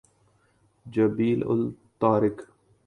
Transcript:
جبل الطارق